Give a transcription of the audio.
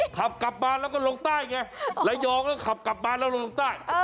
ขับกลับมาแล้วก็ลงต้านี่ไงใลองท์ก็ขาบกลับมาแล้วก็ลงต้าน